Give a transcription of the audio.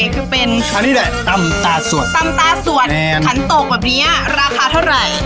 คือเป็นอันนี้แหละตำตาสวดตำตาสวดขันตกแบบนี้ราคาเท่าไหร่